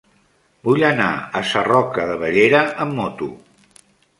Vull anar a Sarroca de Bellera amb moto.